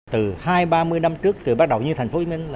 từ hai ba mươi năm trước từ bắt đầu như thành phố hồ chí minh